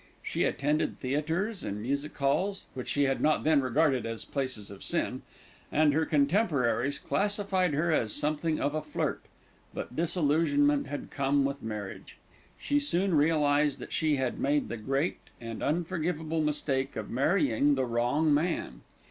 She attended theatres and music halls, which she had not then regarded as "places of sin," and her contemporaries classified her as something of a flirt; but disillusionment had come with marriage. She soon realised that she had made the great and unforgivable mistake of marrying the wrong man.